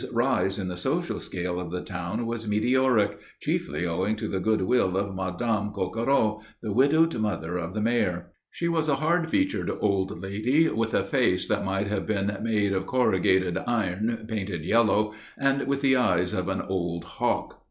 His rise in the social scale of the town was meteoric, chiefly owing to the goodwill of Madame Coquereau, the widowed mother of the Mayor. She was a hard featured old lady, with a face that might have been made of corrugated iron painted yellow and with the eyes of an old hawk.